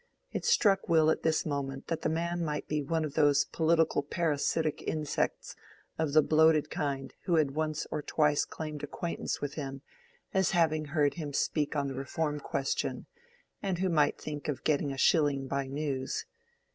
It struck Will at this moment that the man might be one of those political parasitic insects of the bloated kind who had once or twice claimed acquaintance with him as having heard him speak on the Reform question, and who might think of getting a shilling by news.